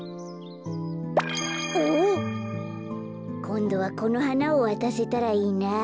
こんどはこのはなをわたせたらいいなあ。